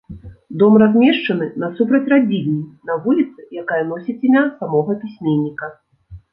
Дом размешчаны насупраць радзільні на вуліцы, якая носіць імя самога пісьменніка.